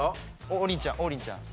王林ちゃん王林ちゃん。